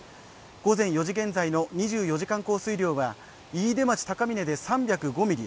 午前４時現在の２４時間降水量は飯豊町高峰で３０５ミリ